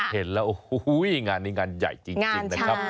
เห็นแล้วโอ้โหงานนี้งานใหญ่จริงนะครับ